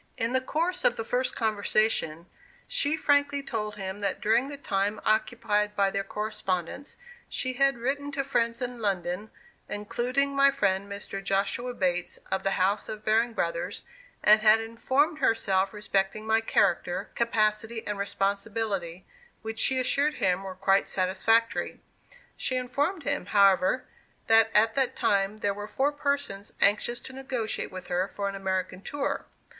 In the course of the first conversation, she frankly told him that during the time occupied by their correspondence, she had written to friends in London, including my friend Mr. Joshua Bates, of the house of Baring Brothers, and had informed herself respecting my character, capacity, and responsibility, which she assured him were quite satisfactory. She informed him, however, that at that time there were four persons anxious to negotiate with her for an American tour.